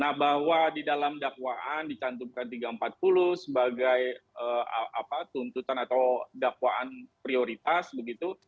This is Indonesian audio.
nah bahwa di dalam dakwaan dicantumkan tiga ratus empat puluh sebagai tuntutan atau dakwaan prioritas begitu